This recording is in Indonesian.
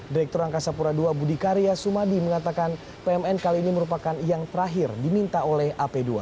direktur angkasa pura ii budi karya sumadi mengatakan pmn kali ini merupakan yang terakhir diminta oleh ap dua